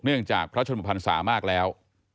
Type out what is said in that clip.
เนื่องจากพระชนมพันษามากแล้ว